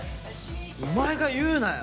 お前が言うなよ！